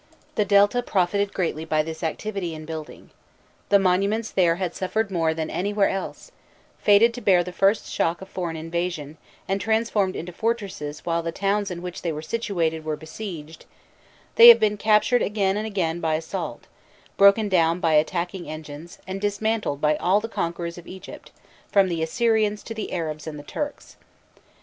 The Delta profited greatly by this activity in building. The monuments there had suffered more than anywhere else: fated to bear the first shock of foreign invasion, and transformed into fortresses while the towns in which they were situated were besieged, they have been captured again and again by assault, broken down by attacking engines, and dismantled by all the conquerors of Egypt, from the Assyrians to the Arabs and the Turks.